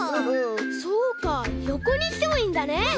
そうかよこにしてもいいんだね。